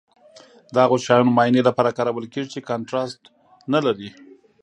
د هغو شیانو معاینې لپاره کارول کیږي چې کانټراسټ نه لري.